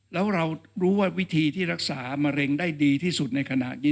แล้วเรารู้ว่าวิธีที่รักษามะเร็งได้ดีที่สุดในขณะนี้